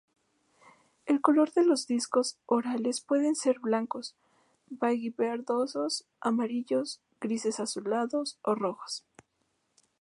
El color de los discos orales puede ser blanco, beige-verdoso, amarillo, gris-azulado o rojo.